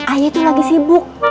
ayah itu lagi sibuk